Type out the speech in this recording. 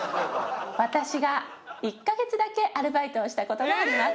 私が１カ月だけアルバイトをした事があります。